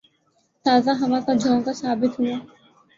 تازہ ہوا کا جھونکا ثابت ہوا